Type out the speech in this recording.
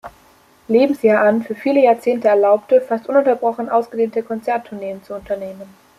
Lebensjahr an für viele Jahrzehnte erlaubte, fast ununterbrochen ausgedehnte Konzerttourneen zu unternehmen.